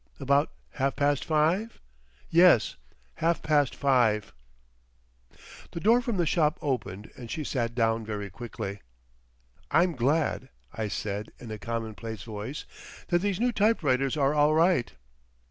"About half past five?" "Yes, half past five..." The door from the shop opened, and she sat down very quickly. "I'm glad," I said in a commonplace voice, "that these new typewriters are all right."